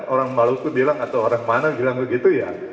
orang maluku bilang atau orang mana bilang begitu ya